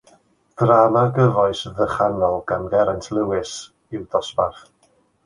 Drama gyfoes ddychanol gan Geraint Lewis yw Dosbarth.